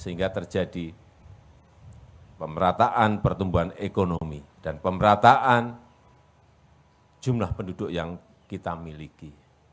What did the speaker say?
sehingga terjadi pemerataan pertumbuhan ekonomi dan pemerataan jumlah penduduk yang kita miliki